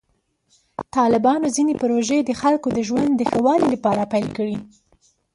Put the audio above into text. طالبانو ځینې پروژې د خلکو د ژوند د ښه والي لپاره پیل کړې.